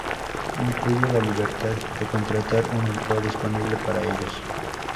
Incluye la libertad de contratar un empleo disponible para ellos.